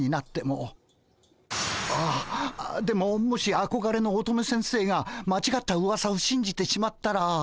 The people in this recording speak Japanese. あっあでももしあこがれの乙女先生が間違ったうわさをしんじてしまったら。